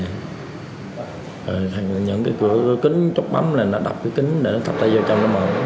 rồi thành những cái cửa kính chốc bấm là nó đập cái kính để nó thập ra vô trong nó mở